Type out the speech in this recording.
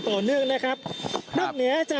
คุณภูริพัฒน์บุญนิน